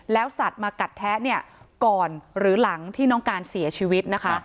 แล้วสัตว์มากัดแทะเนี่ยก่อนหรือหลังที่น้องการเสียชีวิตนะคะ